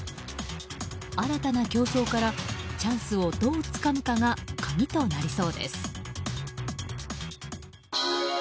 新たな競争からチャンスをどうつかむかが鍵となりそうです。